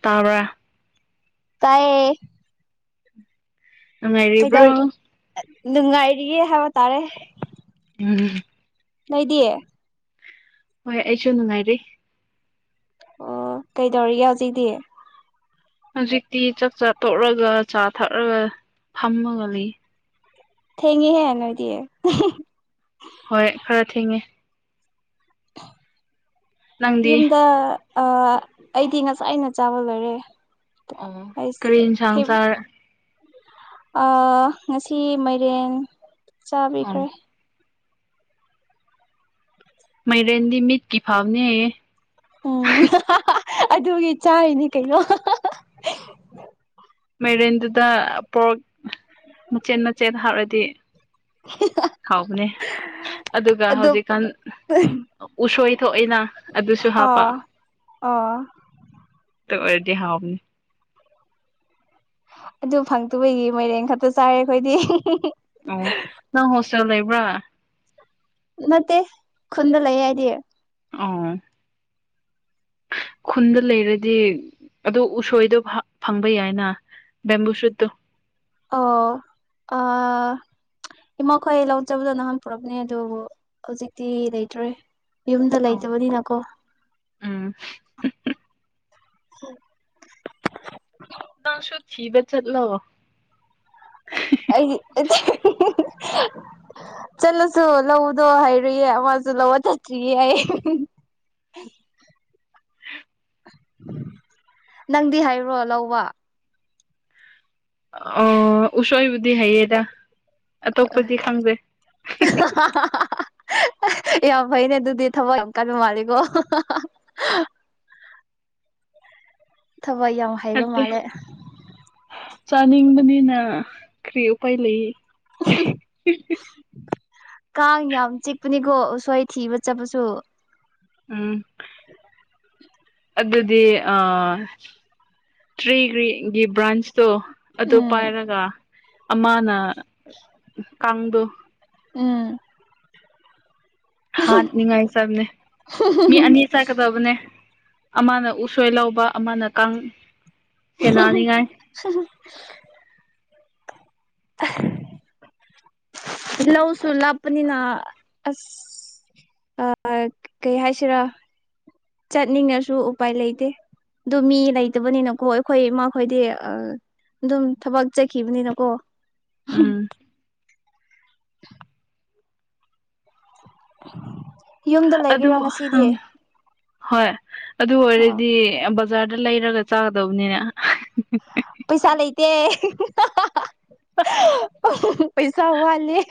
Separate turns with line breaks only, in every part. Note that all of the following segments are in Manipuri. ꯇꯥꯕ꯭ꯔꯥ
ꯇꯥꯏꯌꯦ
ꯑꯉꯥꯏ ꯏꯕ꯭ꯔꯣ
ꯀꯩꯗꯧꯔꯤ ꯅꯨꯡꯉꯥꯏꯔꯤꯌꯦ ꯍꯥꯏꯕ ꯇꯥꯔꯦ
ꯎꯝ
ꯂꯩꯗꯤꯑ
ꯍꯣꯏ ꯑꯩꯁꯨ ꯅꯨꯡꯉꯥꯏꯔ
ꯑꯣ ꯀꯩꯗꯧꯔꯤꯒꯦ ꯍꯧꯖꯤꯛꯗꯤ
ꯍꯧꯖꯤꯛꯇꯤ ꯆꯥꯛ ꯆꯥ ꯇꯣꯛꯂꯒ ꯆꯥ ꯊꯛꯂꯒ ꯐꯝꯃꯒ ꯂꯩ
ꯊꯦꯉꯤꯍꯦ ꯍꯅꯣ ꯏꯗꯤꯌꯦ
ꯍꯣꯏ ꯈꯔ ꯊꯦꯡꯉꯦ ꯅꯪꯗꯤ
ꯌꯨꯝꯗ ꯑꯩꯗꯤ ꯉꯆꯥꯥꯏ ꯑꯩꯅ ꯆꯥꯕ ꯂꯣꯏꯔꯦ
ꯑꯣ
ꯑꯩꯁ
ꯀ꯭ꯔꯤꯟ
ꯍꯤꯞ
ꯁꯪꯁꯔ
ꯉꯁꯤ ꯃꯥꯏꯔꯦꯟ
ꯑꯣ
ꯆꯥꯕꯤꯈ꯭ꯔꯦ
ꯃꯥꯏꯔꯦꯟꯗꯤ ꯃꯤꯠꯀꯤ ꯐꯥꯎꯅꯦ
ꯎꯝ ꯑꯗꯨꯒꯤ ꯆꯥꯔꯤꯅꯤ ꯀꯩꯅꯣ
ꯃꯦꯔꯦꯟꯗꯨꯗ ꯄꯣꯔꯛ ꯃꯆꯦꯠ ꯃꯆꯦꯠ ꯍꯥꯞꯔꯗꯤ ꯍꯥꯎꯕꯅꯦ ꯑꯗꯨꯒ
ꯑꯗꯨ
ꯍꯧꯖꯤꯛꯀꯥꯟ ꯎꯁꯣꯏ ꯊꯣꯛꯏꯅ ꯑꯗꯨꯁꯨ ꯍꯥꯞꯄ
ꯑꯥ ꯑꯥ
ꯇ ꯑꯣꯏꯔꯗꯤ ꯍꯥꯎꯕꯅꯤ
ꯑꯗꯨ ꯐꯪꯗꯕꯩꯒꯤ ꯃꯣꯏꯔꯦꯟ ꯈꯛꯇ ꯆꯥꯔꯦ ꯑꯩꯈꯣꯏꯗꯤ
ꯑꯣ ꯅꯪ ꯍꯣꯁꯇꯦꯜ ꯂꯩꯕ꯭ꯔꯥ
ꯃꯠꯇꯦ ꯈꯨꯟꯂ ꯌꯥ ꯑꯩꯗꯤ
ꯑꯣ ꯈꯨꯟꯗ ꯂꯩꯔꯗꯤ ꯑꯗꯨ ꯎꯁꯣꯏꯗꯣ ꯐꯪꯕ ꯌꯥꯏꯅ ꯕꯦꯝꯕꯨ ꯁꯨꯠꯇꯣ
ꯑꯣ ꯑ ꯏꯃꯥꯈꯣꯏ ꯂꯧꯖꯕꯗꯣ ꯅꯪꯍꯟ ꯄꯨꯔꯔꯕꯅꯦ ꯑꯗꯨꯕꯨ ꯍꯧꯖꯤꯛꯇꯤ ꯂꯩꯇ꯭ꯔꯦ ꯌꯨꯝꯗ ꯂꯩꯇꯕꯅꯤꯅꯀꯣ
ꯎꯝ ꯁꯨꯣ ꯊꯤꯕ ꯆꯠꯂꯑꯣꯣ
ꯑꯩ ꯆꯠꯂꯁꯨ ꯂꯧꯗꯣ ꯍꯥꯏꯔꯨꯏꯌꯦ ꯑꯃꯁꯨ ꯂꯧꯕ ꯆꯠꯇ꯭ꯔꯤꯌꯦ ꯑꯩ ꯅꯪꯗꯤ ꯍꯥꯏꯔꯣ ꯂꯧꯕ
ꯑꯣ ꯎꯁꯣꯏꯕꯨꯗꯤ ꯍꯥꯏꯌꯦꯗ
[unintelligible] ꯌꯥꯝ ꯐꯩꯅꯦ ꯑꯗꯨꯗꯤ ꯊꯕꯛ ꯌꯥꯝ ꯀꯟꯕ ꯃꯥꯜꯂꯤꯀꯣ ꯊꯕꯛ ꯌꯥꯝ ꯍꯩꯕ
ꯅꯠꯇꯦ
ꯃꯥꯜꯂꯦ
ꯆꯥꯅꯤꯡꯕꯅꯤꯅ ꯀꯔꯤ ꯎꯄꯥꯏ ꯂꯩ
ꯀꯥꯡ ꯌꯥꯝ ꯆꯤꯛꯄꯅꯤꯀꯣ ꯎꯁꯣꯏ ꯊꯤꯕ ꯆꯠꯄꯁꯨ
ꯎꯝ ꯑꯗꯨꯗꯤ ꯑ ꯇ꯭ꯔꯤꯒ꯭ꯔꯤꯒꯤ ꯕ꯭ꯔꯥꯟꯁ ꯇꯣ ꯑꯗꯨ
ꯎꯝ
ꯄꯥꯏꯔꯒ ꯑꯃꯅ ꯀꯥꯡꯗꯣ
ꯎꯝ
ꯍꯥꯠꯅꯤꯉꯥꯏ ꯆꯕꯅꯦ ꯃꯤ ꯑꯅꯤ ꯆꯠꯀꯗꯕꯅꯦ ꯑꯃꯅ ꯎꯁꯣꯏ ꯂꯧꯕ ꯑꯃꯅ ꯀꯥꯡ ꯁꯦꯟꯅꯅꯤꯡꯉꯥꯏ
[unintelligible] ꯂꯧ ꯁꯨ ꯂꯞꯄꯅꯤꯅ ꯑꯁ ꯑ ꯀꯩ ꯍꯥꯏꯁꯤꯔꯥ ꯆꯠꯅꯤꯡꯉꯁꯨ ꯎꯄꯥꯏ ꯂꯩꯇꯦ ꯑꯗꯨ ꯃꯤ ꯂꯩꯇꯕꯅꯤꯅꯀꯣ ꯑꯩꯈꯣꯏ ꯏꯃꯥ ꯈꯣꯏꯗꯤ ꯑ ꯑꯗꯨꯝ ꯊꯕꯛ ꯆꯠꯈꯤꯕꯅꯤꯅꯀꯣ
ꯎꯝ
[inaudible] ꯌꯨꯝꯗ
ꯑꯗꯨ
ꯂꯩꯔꯤꯔꯥ ꯉꯁꯤꯗꯤ
ꯎꯝ ꯍꯣꯏ ꯑꯗꯨ
ꯑꯣ
ꯑꯣꯏꯔꯗꯤ ꯕꯖꯥꯔꯗ ꯂꯩꯔꯒ ꯆꯥꯒꯗꯧꯕꯅꯤꯅ
ꯄꯩꯁꯥ ꯂꯩꯇꯦ ꯄꯩꯁꯥ ꯋꯥꯠ ꯂ‌ꯦ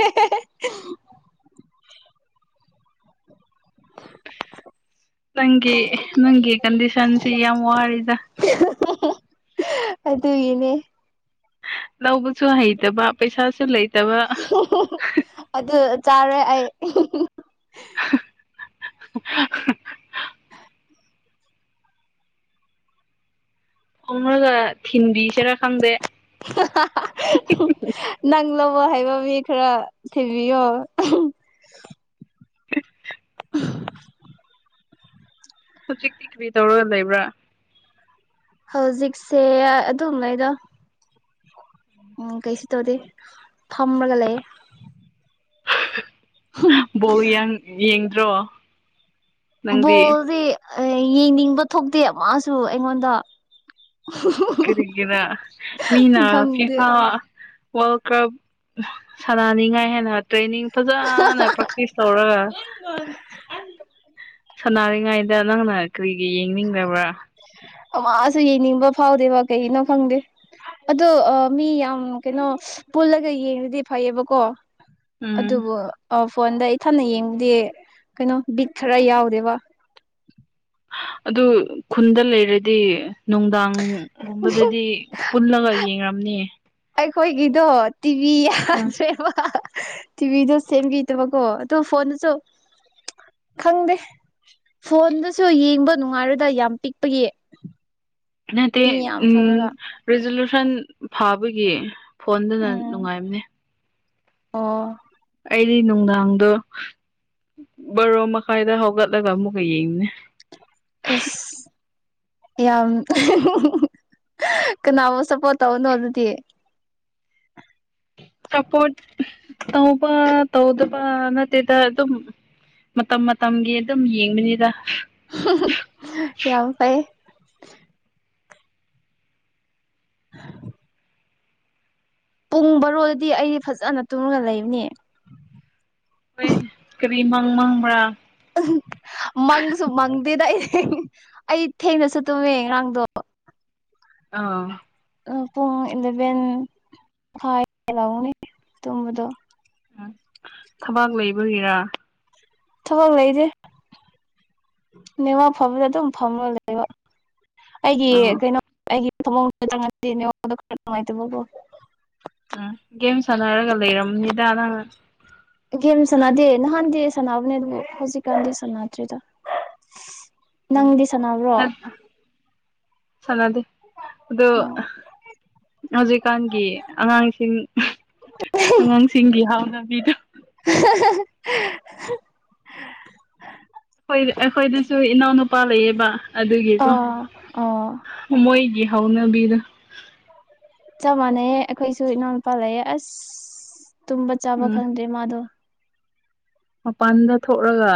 ꯅꯪꯒꯤ ꯅꯪꯒꯤ ꯀꯟꯗꯤꯁꯟꯁꯤ ꯌꯥꯝ ꯋꯥꯔ‌ꯦꯗ
ꯑꯗꯨꯒꯤꯅꯦ
ꯂꯧꯕꯁꯨ ꯍꯩꯇꯕ ꯄꯩꯁꯥꯁꯨ ꯂꯩꯇꯕ
ꯑꯗꯨ ꯆꯥꯔꯦ ꯑꯩ
[unintelligible] ꯊ‌ꯣꯡꯉꯒ ꯊꯤꯟꯕꯤ ꯁ‌ꯦꯔ ꯈꯪꯗꯦ
[unintelligible] ꯅꯪꯪ ꯂꯧꯕ ꯍꯩꯕ ꯃꯤ ꯈꯔ ꯊꯤꯕꯤꯌꯣ
[inaudible] ꯍꯧꯖꯤꯛꯇꯤ ꯀꯔꯤ ꯇꯧꯔꯒ ꯂꯩꯕ꯭ꯔꯥ
ꯍꯧꯖꯤꯛꯁꯦ ꯑꯗꯨꯝ ꯂꯩꯗ ꯎꯝ ꯀꯩꯁꯨ ꯇꯧꯗꯦ ꯐꯝꯃꯒ ꯂꯩꯌꯦ
ꯕꯣꯜꯂꯤꯌꯥꯡ ꯌꯦꯡꯗ꯭ꯔꯣ ꯅꯪꯗꯤ
ꯕꯣꯜꯗꯤ ꯌꯦꯡꯅꯤꯡꯕ ꯊꯣꯛꯇꯦ ꯑꯃꯁꯨ ꯑꯩꯉꯣꯟꯗ
ꯀꯔꯤꯒꯤꯔꯥ ꯃꯤꯅ
ꯈꯪꯗꯦ
ꯐꯤꯐꯥ ꯋꯥꯔꯜ ꯀꯔꯞ ꯁꯥꯟꯅꯅꯤꯡꯉꯥꯏ ꯍꯥꯏꯅ ꯇ꯭ꯔꯦꯅꯤꯡ ꯐꯖꯅ ꯄ꯭ꯔꯦꯛꯇꯤꯁ ꯇꯧꯔꯒ ꯁꯅꯥꯔꯤꯉꯩꯗ ꯅꯪꯅ ꯀꯔꯤꯒꯤ ꯌꯦꯡꯅꯤꯡꯗꯕ꯭ꯔꯥ
ꯑꯃꯁꯨ ꯌꯦꯡꯅꯤꯡꯕ ꯐꯥꯎꯗꯦꯕ ꯀꯩꯒꯤꯅꯣ ꯈꯪꯗꯦ ꯑꯗꯣ ꯑ ꯃꯤ ꯌꯥꯝ ꯀꯩꯅꯣ ꯄꯨꯜꯂꯒ ꯌꯦꯡꯕꯗꯤ ꯐꯩꯌꯦꯕꯀꯣ
ꯎꯝ
ꯑꯗꯨꯕꯨ ꯐꯣꯟꯗ ꯏꯊꯅ ꯌꯦꯡꯕꯗꯤ ꯀꯩꯅꯣ ꯕꯤꯠ ꯈꯔ ꯌꯥꯎꯗꯦꯕ
ꯑꯗꯨ ꯈꯨꯟꯗ ꯂꯩꯔꯗꯤ ꯅꯨꯡꯗꯥꯡꯒꯨꯝꯕꯗꯗꯤ ꯄꯨꯜꯂꯒ ꯌꯦꯡꯉꯝꯅꯤ
ꯑꯩꯈꯣꯏꯒꯤꯗꯣ ꯇꯤꯚꯤ ꯌꯥꯗ꯭ꯔꯦꯕ ꯇꯤꯚꯤꯗꯣ ꯁꯦꯝꯕꯤꯗꯕꯀꯣ ꯑꯗ‌ꯣ ꯐꯣꯟꯗꯨꯁꯨ ꯈꯪꯗꯦ ꯐꯣꯟꯗꯁꯨ ꯌꯦꯡꯕ ꯅꯨꯡꯉꯥꯏꯔ‌ꯣꯏꯗ ꯌꯥꯝ ꯄꯤꯛꯄꯒꯤ
ꯅꯠꯇ‌ꯦ
ꯏ ꯌꯥꯝ
ꯎꯝ
ꯐꯪꯉꯒ
ꯔꯤꯖꯣꯂꯨꯁꯟ ꯐꯥꯕꯒꯤ ꯐꯣꯟꯗꯨꯅ
ꯎꯝ
ꯅꯨꯡꯉꯥꯏꯕꯅ‌ꯦ
ꯑꯣ
ꯑꯩꯗꯤ ꯅꯨꯡꯗꯥꯡꯗꯣ ꯕꯣꯔꯣ ꯃꯈꯥꯏꯗ ꯍꯧꯒꯠꯂꯒ ꯑꯃꯨꯛꯀ ꯌꯦꯡꯅꯦ
ꯑꯁ ꯌꯥꯝ ꯀꯅꯥꯕꯨ ꯁꯞꯄꯣꯔꯠ ꯇꯧꯅꯣ ꯑꯗꯨꯗꯤ
ꯁꯞꯄꯣꯔꯠ ꯇꯧꯕ ꯇꯧꯗꯕ ꯅꯠꯇꯦꯗ ꯑꯗꯨꯝ ꯃꯇꯝ ꯃꯇꯝꯒꯤ ꯑꯗꯨꯝ ꯌꯦꯡꯕꯅꯤꯗ
ꯌꯥꯎ ꯄꯥꯏꯌꯦ [unintelligible] ꯄꯨꯡ ꯕꯥꯔꯣꯗꯗꯤ ꯑꯩꯗꯤ ꯐꯖꯅ ꯇꯨꯡꯉꯒ ꯂꯩꯕꯅꯦ
ꯑꯩꯣꯏ ꯀꯔꯤ ꯃꯪ ꯃꯪꯕ꯭ꯔꯥ
ꯎ ꯃꯪꯁꯨ ꯃꯪꯗꯦꯗ ꯑꯩ ꯑꯩ ꯊꯦꯡꯅ ꯆꯠꯇꯨꯝꯃꯦ ꯉꯔꯥꯡꯗꯣ
ꯑ
ꯄꯨꯡ ꯏꯂꯚꯦꯟ ꯃꯈꯥꯏ ꯂꯧꯥꯎꯅꯤ ꯇꯨꯝꯕꯗꯣ
ꯎꯝ ꯊꯕꯥꯛ ꯂꯩꯕꯒꯤꯔꯥ
ꯊꯕ ꯂꯩꯗꯤ ꯅꯦꯋꯥꯥꯛ ꯐꯕꯗ ꯑꯗꯨꯝ ꯐꯝꯃꯣꯏ ꯂꯩꯕ ꯑꯩꯒꯤ
ꯑꯥ
ꯀꯩꯅꯣ ꯑꯩꯒꯤ ꯊꯃꯡꯗ ꯆꯪꯉꯦꯉꯗ ꯈꯔ ꯅꯨꯡꯉꯥꯏꯇꯕꯕꯨꯣ
ꯎꯝ ꯒꯦꯝ ꯁꯥꯟꯅꯔꯒ ꯂꯩꯔꯝꯅꯤꯗ ꯅꯪ
ꯒꯦꯝ ꯁꯥꯟꯅꯗꯦ ꯅꯍꯥꯟꯗꯤ ꯁꯥꯟꯅꯅꯕꯅꯦ ꯑꯗꯨꯕꯨ ꯍꯧꯖꯤꯛꯀꯥꯟꯗꯤ ꯁꯥꯟꯅꯗ꯭ꯔꯤꯗ
ꯎꯝ ꯁꯅꯗꯤ ꯑꯗꯨ ꯍꯧꯖꯤꯛꯀꯥꯟꯒꯤ ꯑꯉꯥꯡꯁꯤꯡ ꯑꯉꯥꯡꯁꯤꯡꯒꯤ ꯍꯥꯎꯅꯕꯤꯗ
[unintelligible]
ꯑꯩꯈꯣꯏꯗꯁꯨ ꯏꯅꯥꯎꯅꯨꯄꯥ ꯂꯩꯌꯦꯕ
ꯑꯥ
ꯑꯗꯨꯒꯤꯀꯣ
ꯑꯥ
ꯃꯣꯏꯒꯤ ꯍꯧꯅꯕꯤꯗ
ꯆꯞ ꯃꯥꯟꯅꯩꯌꯦ ꯑꯩꯈꯣꯏꯁꯨ ꯏꯅꯥꯎꯅꯨꯄꯥ ꯂꯩꯑꯦ ꯑꯁ ꯇꯨꯝꯕ ꯆꯥꯕ
ꯎꯝ
ꯈꯪꯗ꯭ꯔꯦ ꯃꯥꯗꯣ
ꯃꯄꯥꯟꯗ ꯊꯣꯛꯂꯒ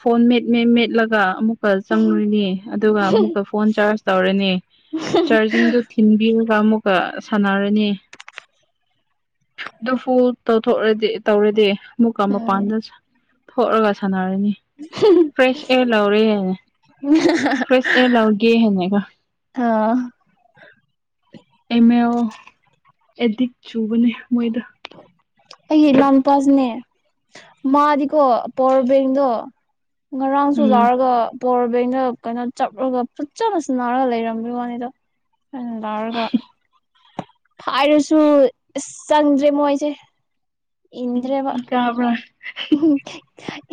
ꯐꯣꯟ ꯃꯦꯠ ꯃ ꯃꯦꯠꯂꯒ ꯑꯃꯨꯛ ꯆꯪꯨꯔꯤꯅꯤ ꯑꯗꯨꯒ ꯑꯃꯨꯛꯀ ꯐꯣꯟ ꯆꯥꯔꯖ ꯇꯧꯔꯅꯤ ꯆꯥꯔꯖꯤꯡꯗꯨꯣ ꯊꯤꯟꯕꯤꯔꯒ ꯑꯃꯨꯛꯀ ꯁꯥꯟꯅꯔꯅꯤ ꯑꯗꯨꯐꯨ ꯇꯧꯊꯣꯛꯗꯤ ꯇꯧꯔꯗꯤ ꯑꯃꯨꯛꯀ
ꯎꯝ
ꯃꯄꯥꯟꯗ ꯊꯣꯛꯂꯒ ꯁꯥꯟꯅꯔꯅꯤ
ꯎꯝ
ꯐ꯭ꯔꯦꯁ ꯑꯦꯌꯔ ꯂꯧꯔꯦ ꯍꯥꯏꯅꯦ ꯐ꯭ꯔꯦꯁ ꯑꯦꯌꯔ ꯂꯧꯒꯦ ꯍꯥꯏꯅꯦꯀꯣ
ꯑ
ꯑꯦꯝ ꯑꯦꯜ ꯑꯦꯗꯤꯛ ꯆꯨꯕꯅꯦ ꯃꯣꯏꯗ
ꯑꯩ ꯅꯣꯟꯄꯥꯥꯁꯅꯦ ꯃꯥꯗꯤꯀꯣ ꯄꯣꯔꯕꯦꯡꯗꯣ ꯉꯔꯥꯡꯁꯨ
ꯎꯝ
ꯂꯥꯔꯒ ꯄꯋꯥꯔ ꯕꯦꯡꯗ ꯀꯩꯅꯣ ꯆꯞꯂꯒ ꯐꯠꯆ ꯐꯁ ꯅꯥꯔꯒ ꯂꯩꯔꯝꯃꯤ ꯋꯥꯅꯤꯗꯣ ꯂꯥꯎꯔꯒ ꯍꯥꯏꯔꯁꯨ ꯑꯁ ꯆꯪꯗ꯭ꯔꯦ ꯃꯣꯏꯁꯦ ꯏꯗ꯭ꯔ
ꯇ
ꯎꯝ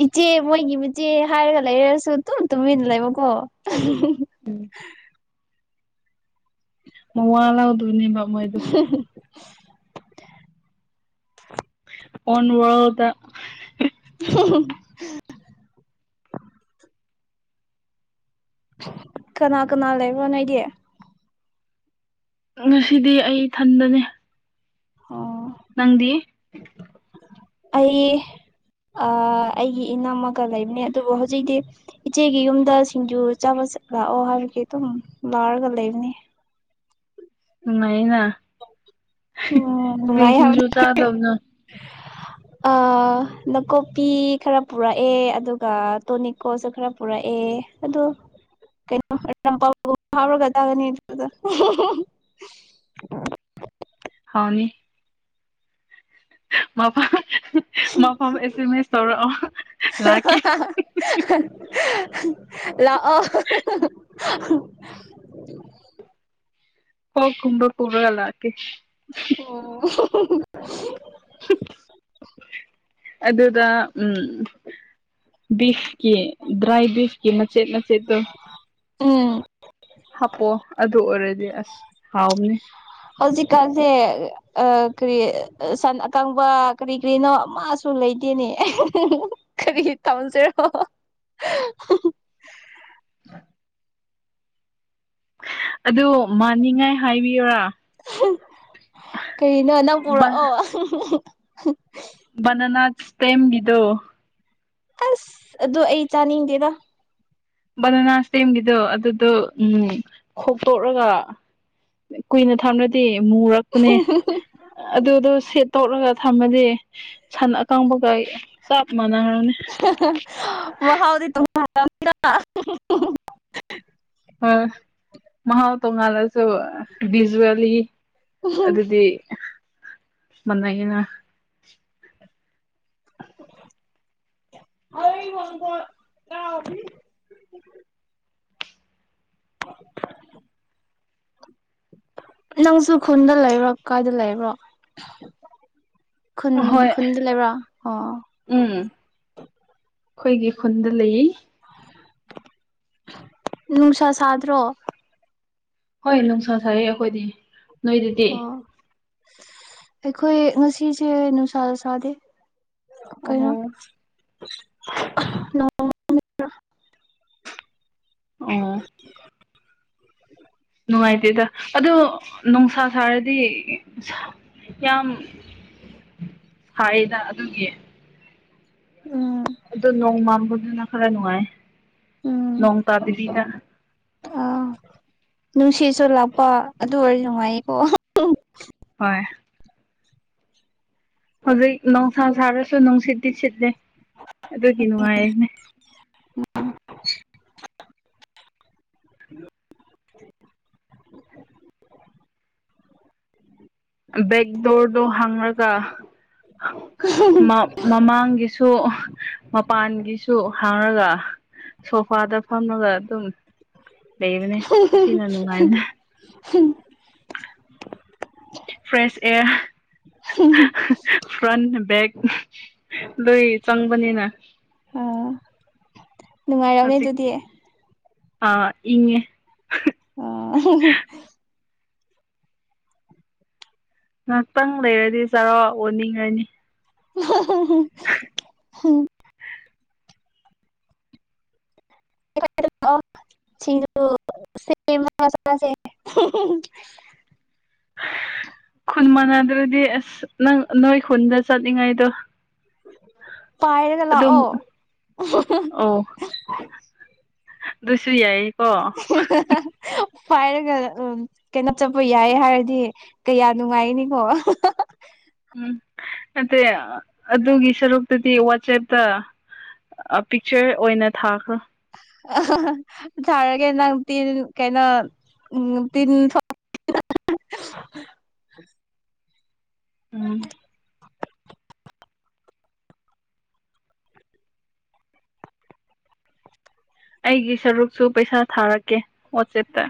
ꯏꯆꯦ ꯃꯣꯏꯒꯤ ꯃꯆꯦ ꯍꯥꯏꯔꯒ ꯂꯩꯔꯁꯨ ꯇꯨꯝ ꯇꯨꯝꯃꯤꯟꯅ ꯂꯩꯕꯀꯣ
ꯎꯝ ꯃ ꯋꯥ ꯂꯧꯥꯎꯗꯣꯏꯅꯦꯕ ꯃꯣꯏꯗꯣ
ꯍ
ꯐꯣꯟꯣꯟ ꯋꯥꯗ
[unintelligible] ꯀꯅꯥ ꯀꯅꯥ ꯂꯩ ꯐꯅꯒꯌꯦ
ꯉꯁꯤꯗꯤ ꯑꯩ ꯊꯟꯕꯅꯦ
ꯑꯥ
ꯅꯪꯗꯤ
ꯑꯩ ꯑꯥ ꯑꯩꯒꯤ ꯏꯅꯥꯝꯃꯒ ꯂꯩꯕꯅꯦ ꯑꯗꯨꯕꯨ ꯍꯧꯖꯤꯛꯇꯤ ꯏꯆꯦꯒꯤ ꯌꯨꯝꯗ ꯁꯤꯡꯖꯨ ꯆꯥꯕ ꯂꯥꯛꯑꯣ ꯍꯥꯏꯕꯒꯤ ꯑꯗꯨꯝ ꯂꯥꯔꯒ ꯂꯩꯕꯅꯦ
ꯅꯨꯡꯉꯥꯏꯅ ꯀꯩꯔꯤ ꯁꯤꯡꯖꯨ ꯆꯥꯗꯕꯅꯣ
ꯑ ꯑꯥ ꯅꯥꯀꯨꯞꯄꯤ ꯈꯔ ꯄꯨꯔꯛꯑꯦ ꯑꯗꯨꯒ ꯇꯣꯅꯤꯀꯣꯁꯨ ꯈꯔ ꯄꯨꯔꯛꯑꯦ ꯑꯣ ꯀꯩꯅꯣ ꯍꯥꯎꯔꯒ [inaudible] [unintelligible] ꯑꯗꯨꯗ [unintelligible]
ꯍꯥꯎꯅꯤ ꯃꯐ ꯃꯐꯝ ꯑꯦꯁꯃ‌ꯦꯁ ꯇꯧꯔꯛꯑꯣ ꯂꯥꯛꯀꯦ
ꯂꯥꯛꯑꯣ
ꯀ‌ꯣꯛ ꯀꯨꯝꯕ ꯄꯨꯔꯒ ꯂꯥꯛꯀꯦ
ꯑꯣ [unintelligible]
ꯑꯗꯨꯗ ꯎꯝ ꯕꯤꯐꯀꯤ ꯗ꯭ꯔꯥꯏ ꯕꯤꯐ ꯀꯤ ꯃꯆ‌ꯦꯠ ꯃꯆꯦꯠꯇ‌ꯣ
ꯎꯝ
ꯍꯥꯞꯄꯑꯣ ꯑꯗꯨ ꯑꯣꯏꯔꯗꯤ ꯑꯁ ꯍꯥꯎꯕꯅꯤ
ꯍꯧꯖꯤꯛꯀꯥꯟꯁꯦ ꯑ ꯀꯔꯤ ꯁꯟ ꯑꯀꯪꯕ ꯀ꯭ꯔꯤ ꯀ꯭ꯔꯤꯅꯣ ꯑꯃꯁꯨ ꯂꯩꯇꯦꯅꯦ ꯀꯔꯤ ꯇꯝꯁꯤꯔꯣ
[unintelligible] ꯑꯗꯨ ꯃꯅꯤꯡꯉꯥꯏ ꯍꯥꯏꯕꯤꯌ‌ꯣꯔꯥ
[unintelligible] ꯀꯔꯤꯅꯣ ꯅꯪ ꯄꯨꯔꯛꯑꯣ
ꯕꯅꯥꯅꯥ ꯏꯁꯇ‌ꯦꯝꯒꯤꯗ‌ꯣ
ꯑꯁ ꯑꯗꯨ ꯑꯩ ꯆꯥꯅꯤꯡꯗꯦꯗ
ꯕꯅꯅꯥ ꯁ꯭ꯇꯦꯝꯒꯤꯗꯣ ꯑꯗꯨꯗꯣ ꯎꯝ ꯈꯣꯛꯇꯣꯛꯔꯒ ꯀꯨꯏꯅ ꯊꯝꯔꯗꯤ ꯃꯨꯨꯔꯛꯄꯅꯦ ꯑꯗꯨꯗꯣ ꯁꯦꯠ ꯇ‌ꯣꯛꯔꯒ ꯊꯝꯃꯗꯤ ꯁꯟ ꯑꯀꯪꯕꯒ ꯆꯞ ꯃꯥꯟꯅꯈ꯭ꯔꯅꯦ
[unintelligible] ꯃꯍꯥꯎꯗꯤ ꯇꯨꯡꯉꯜꯂ‌ꯝ [unintelligible]
ꯍ‌ꯣꯏ ꯃꯍꯥꯎ ꯇꯣꯉꯜꯂꯁꯨ ꯚꯤꯖꯨꯋꯦꯂꯤ ꯑꯗꯨꯗꯤ ꯃꯥꯟꯅꯩꯅ
[unintelligible] [inaudible] ꯅꯪꯁꯨ ꯈꯨꯟꯗ ꯂꯩꯕ꯭ꯔꯣ ꯀꯥꯏꯗ ꯂꯩꯕ꯭ꯔꯣ ꯈꯨꯟ
ꯍꯣꯏ
ꯈꯨꯟꯗ ꯂꯩꯕ꯭ꯔꯥ ꯑꯣ
ꯎꯝ ꯑꯩꯈꯣꯏꯒꯤ ꯈꯨꯟꯗ ꯂꯩꯏ
ꯅꯨꯡꯁꯥ ꯁꯥꯗ꯭ꯔꯣ
ꯍꯣꯏ ꯅꯨꯡꯁꯥ ꯁꯥꯏꯌ‌ꯦ ꯑꯩꯈꯣꯏꯗꯤ ꯅꯣꯏꯗꯗꯤ
ꯑꯣ ꯑꯩꯈꯣꯏ ꯉꯁꯤꯁꯦ ꯅꯨꯡꯁꯥ ꯁꯥꯥꯗꯦ ꯀꯩꯅ‌ꯣ
ꯑꯣ
[unintelligible] ꯅ‌ꯣꯡ
ꯑꯣ
[inaudible]
ꯅꯨꯡꯉꯥꯏꯇꯦꯗ ꯑꯗꯣ ꯅ‌ꯣꯡꯁꯥ ꯁꯥꯔꯗꯤ ꯌꯥꯝ ꯍꯥꯏꯗ ꯑꯗꯨꯒꯤ
ꯎꯝ
ꯑꯗꯨ ꯅꯣꯡ ꯃꯥꯟꯕꯗꯨꯅ ꯈꯔ ꯅꯨꯡꯉꯥꯏ
ꯎꯝ
ꯅꯣꯡ ꯇꯥꯗꯕꯤꯗ
ꯑꯥ ꯅꯨꯡꯁꯤꯠꯁꯨ ꯂꯥꯛꯄ ꯑꯗꯨ ꯑꯣꯏꯔꯗꯤ ꯅꯨꯡꯉꯥꯏꯀꯣ
ꯍꯣꯏ ꯍꯧꯖꯤꯛ ꯅ‌ꯣꯡꯁꯥ ꯁꯥꯔꯁꯨ ꯅꯨꯡꯁꯤꯠꯇꯤ ꯁꯤꯠꯂꯦ ꯑꯗꯨꯒꯤ ꯅꯨꯡꯉꯥꯏꯔꯤꯅꯦ
ꯎꯝ [unintelligible] [inaudible] [unintelligible]
ꯕꯦꯛꯗꯣꯔꯗꯣ ꯍꯥꯡꯉꯒ ꯃꯃꯥꯡꯒꯤ ꯁꯨ ꯃꯄꯥꯟꯒꯤꯁꯨ ꯍꯥꯡꯉꯒ ꯁꯣꯐꯥꯗ ꯐꯝꯃꯒ ꯑꯗꯨꯝ ꯂꯩꯕꯅꯤ ꯑꯁꯤꯅ ꯅꯨꯡꯉꯥꯏꯕꯅ
ꯍꯝ
ꯐ꯭ꯔꯦꯁ ꯑꯦꯔ꯫ ꯐ꯭ꯔꯟ ꯕꯦꯛ ꯂꯣꯏ ꯆꯪꯕꯅꯤꯅ꯫
ꯑꯥ ꯅꯨꯡꯉꯥꯏꯔꯝꯅꯤ
ꯍꯖꯤꯛ
ꯑꯗꯨꯗꯤ ꯑꯥ
ꯑ ꯏꯉꯦ꯫
ꯑ
ꯉꯥꯏꯍꯥꯛꯇꯪ ꯂꯩꯔꯗꯤ ꯆꯔꯥꯛ ꯑꯣꯟꯅꯤꯡꯉꯅꯤ
ꯍꯍ ꯁꯤ ꯁ ꯃꯁꯂꯁꯦ
ꯈꯨꯟ ꯃꯅꯥꯗꯗꯤ ꯑꯁ ꯅꯪ ꯅꯣꯏ ꯈꯨꯟꯗ ꯆꯠꯂꯤꯉꯥꯏꯗꯣ꯫
ꯄꯥꯏꯔꯒ ꯂ ꯑꯣ꯫
ꯗꯨꯁꯨ ꯌꯥꯏꯌꯦ
ꯄꯥꯏꯔꯒ ꯎ ꯀꯩꯅꯣ ꯆꯠꯄ ꯌꯥꯏ ꯍꯥꯏꯔꯗꯤ ꯀꯌꯥ ꯅꯨꯡꯉꯥꯏꯅꯤꯉꯣ
ꯎꯝ ꯅꯇꯦ ꯑꯗꯨꯒꯤ ꯁꯔꯨꯛ ꯑꯗꯨꯗꯤ ꯋꯥꯆꯦꯞꯇ ꯄꯤꯛꯆꯔ ꯑꯣꯏꯅ ꯊꯥꯈ꯭ꯔꯣ꯫
ꯊꯔꯒꯦ ꯅꯪ ꯇꯤꯟ ꯀꯩꯅꯣ ꯎ ꯇꯤꯟ ꯍꯍ
ꯎꯝ ꯑꯩꯒꯤ ꯁꯔꯨꯛꯁꯨ ꯄꯩꯁꯥ ꯊꯥꯔꯛꯀꯦ ꯋꯥꯆꯦꯞꯇ꯫